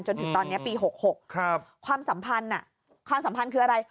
จนถึงตอนนี้ปี๖๖ความสัมพันธ์ความสัมพันธ์คืออะไร